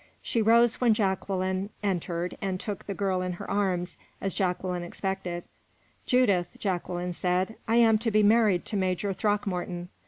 She rose when Jacqueline entered, and took the girl in her arms as Jacqueline expected. "Judith," Jacqueline said, "I am to be married to Major Throckmorton.